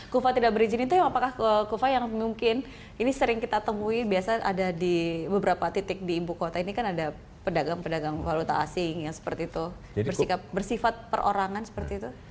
kufa tidak berizin itu apakah kufa yang mungkin ini sering kita temui biasa ada di beberapa titik di ibu kota ini kan ada pedagang pedagang valuta asing yang seperti itu bersifat perorangan seperti itu